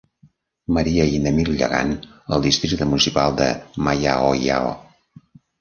Maria i Namillangan al districte municipal de Mayaoyao.